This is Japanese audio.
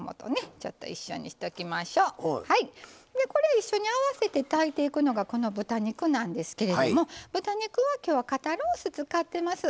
これを一緒に合わせて炊いていくのが豚肉なんですが豚肉は今日は肩ロース使ってます。